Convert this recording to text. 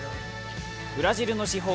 ブラジルの至宝